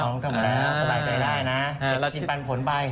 อ๋อลงทุนออกมาแล้วสบายใจได้นะจินปันผลไป